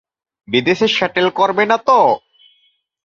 বিদেশে স্যাটল করবে না তো?